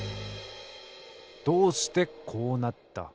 どうしてこうなった？